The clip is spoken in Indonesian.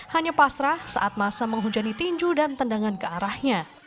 hanya pasrah saat masa menghujani tinju dan tendangan ke arahnya